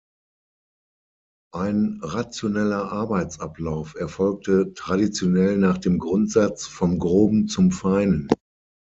Ein rationeller Arbeitsablauf erfolgte traditionell nach dem Grundsatz "vom Groben zum Feinen".